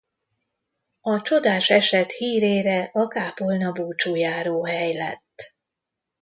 A csodás eset hírére a kápolna búcsújáróhely lett.